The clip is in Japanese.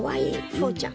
ふうちゃん。